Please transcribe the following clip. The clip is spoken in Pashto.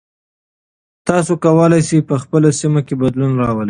تاسو کولی شئ په خپله سیمه کې بدلون راولئ.